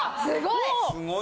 すごい！